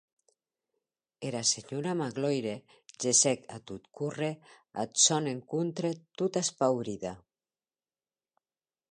Era senhora Magloire gessec a tot córrer ath sòn encontre tota espaurida.